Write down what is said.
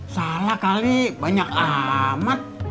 salah kali banyak amat